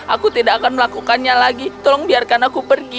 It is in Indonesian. aku tidak akan melakukannya lagi tolong biarkan aku pergi